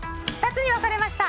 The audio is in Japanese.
２つに分かれました。